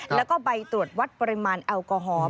แล้วก็ใบตรวจวัดปริมาณแอลกอฮอล์